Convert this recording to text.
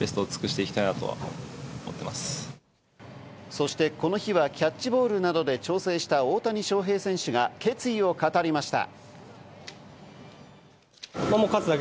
そして、この日はキャッチボールなどで調整した大谷翔平選手が決意を語りました。